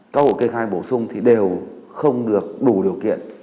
các hộ kê khai bổ sung thì đều không được đủ điều kiện